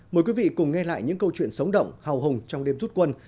mời quý vị cùng nghe lại những câu chuyện sống động hào hùng trong đêm rút quân